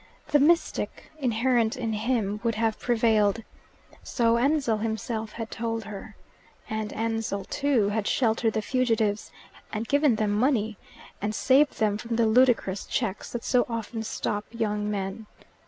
The mystic, inherent in him, would have prevailed. So Ansell himself had told her. And Ansell, too, had sheltered the fugitives and given them money, and saved them from the ludicrous checks that so often stop young men.